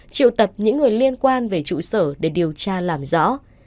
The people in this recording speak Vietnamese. triệu tập những người liên quan về trụ sở để điều tra làm rõ